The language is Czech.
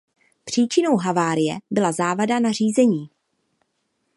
Příčinou havárie byla závada na řízení.